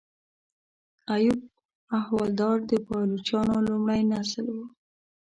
ایوب احوالدار د پایلوچانو لومړی نسل و.